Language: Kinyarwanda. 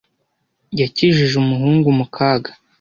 Yakijije umuhungu mu kaga